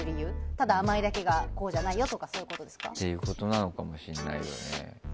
ただ甘いだけがこうじゃないよみたいな。ってことかもしれないよね。